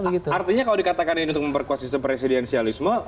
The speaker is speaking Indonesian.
artinya kalau dikatakan ini untuk memperkuat sistem presidensialisme